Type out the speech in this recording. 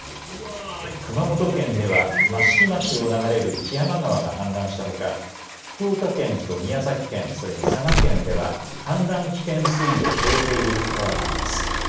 熊本県では益城町を流れる木山川が氾濫したほか福岡県と宮崎県、それに佐賀県では氾濫危険水位を超えている川があります。